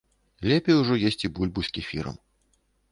Лепей ужо есці бульбу з кефірам.